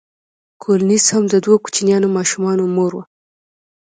کولینز هم د دوو کوچنیو ماشومانو مور وه.